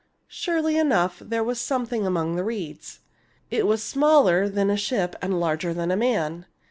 Surely enough there was something among the reeds. It was smaller than a ship and larger than a man.